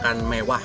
karena makan mewah